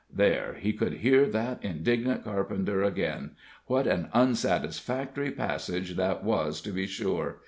There! he could hear that indignant carpenter again. What an unsatisfactory passage that was, to be sure!